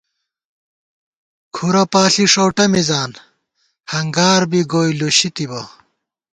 کھُرہ پاݪی ݭؤٹہ مِزان ہنگار بی گوئی لُشی تِبہ